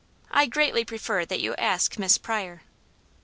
I greatly prefer that you ask Miss Pryor."